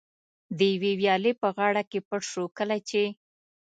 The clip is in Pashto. د یوې ویالې په غاړه کې پټ شو، کله چې.